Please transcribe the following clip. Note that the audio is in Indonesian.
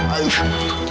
aduh aduh bu